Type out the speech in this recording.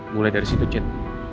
mulai dari situ cip